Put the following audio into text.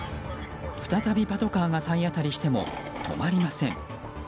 再びパトカーが体当たりしても止まりません。